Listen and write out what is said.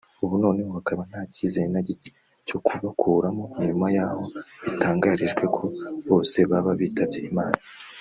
ubu noneho hakaba nta kizere na gike cyo kubakuramo nyuma y’aho bitangarijwe ko bose baba bitabye Imana